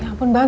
ya ampun bang